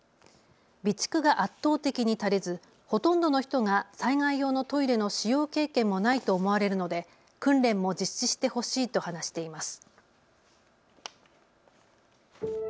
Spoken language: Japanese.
備蓄が圧倒的に足りずほとんどの人が災害用のトイレの使用経験もないと思われるので訓練も実施してほしいと話しています。